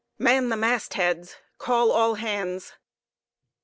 "Man the mast heads! Call all hands!"